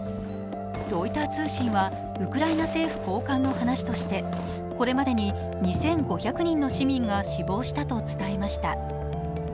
ロイター通信は、ウクライナ政府高官の話としてこれまでに２５００人の市民が死亡したと伝えました。